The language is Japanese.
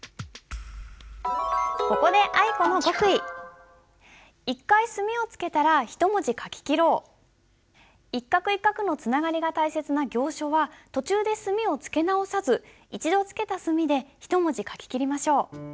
ここで一画一画のつながりが大切な行書は途中で墨をつけ直さず一度つけた墨で一文字書ききりましょう。